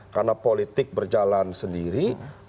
karena politik berjalan sendiri